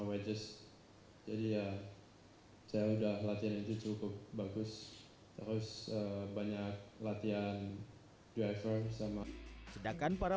which is jadi ya saya udah latihan itu cukup bagus terus banyak latihan driver sama sedangkan para